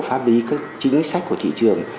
pháp lý các chính sách của thị trường